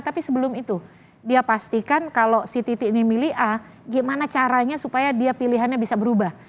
tapi sebelum itu dia pastikan kalau si titi ini milih a gimana caranya supaya dia pilihannya bisa berubah